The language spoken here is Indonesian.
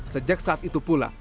sejak saat itu pula